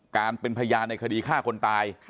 การเป็นพยานในคดีฆ่าคนตาย